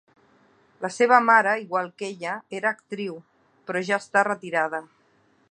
La seva mare, igual que ella, era actriu, però ja està retirada.